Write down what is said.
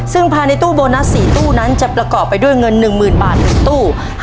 ซึ่งภายในตู้โบนัส๔ตู้นั้นจะประกอบไปด้วยเงิน๑๐๐๐บาท๑ตู้